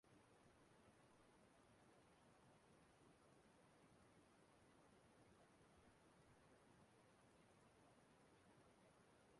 N'okwu ya oge ha gara ịkwụ ya bụ ụgwọ ụlọọgwụ